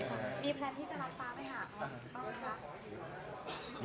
มีแพลนที่จะรับพ่ามั้ยค่ะต้อมั้ยค่ะ